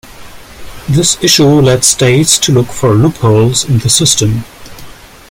This issue led states to look for loopholes in the system.